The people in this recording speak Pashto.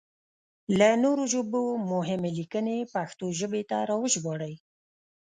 له نورو ژبو مهمې ليکنې پښتو ژبې ته راوژباړئ!